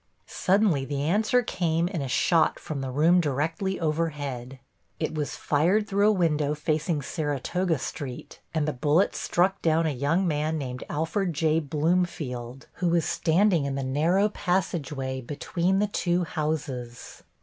Suddenly the answer came in a shot from the room directly overhead. It was fired through a window facing Saratoga Street, and the bullet struck down a young man named Alfred J. Bloomfield, who was standing in the narrow passage way between the two houses.